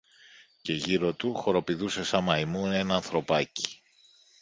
και γύρω του χοροπηδούσε σα μαϊμού ένα ανθρωπάκι